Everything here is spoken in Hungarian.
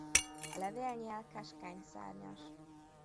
A levélnyél keskeny-szárnyas.